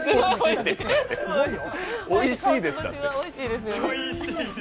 おいしいです。